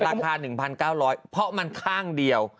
ราคา๑๙๐๐เพราะมันข้างเดียว